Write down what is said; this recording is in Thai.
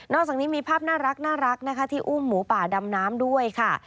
อกจากนี้มีภาพน่ารักนะคะที่อุ้มหมูป่าดำน้ำด้วยค่ะ